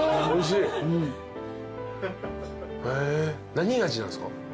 何味なんですか？